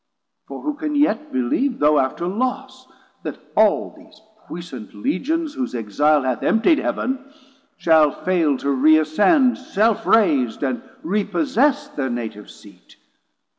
630 For who can yet beleeve, though after loss, That all these puissant Legions, whose exile Hath emptied Heav'n, shall faile to re ascend Self rais'd, and repossess their native seat.